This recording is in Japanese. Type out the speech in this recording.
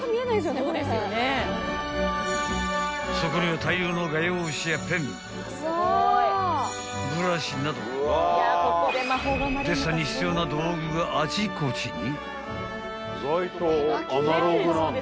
［そこには大量の画用紙やペンブラシなどデッサンに必要な道具があちこちに］